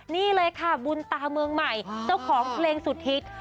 นี่เลยค่ะบุญตาเมืองใหม่เจ้าของเพลงสุดฮิต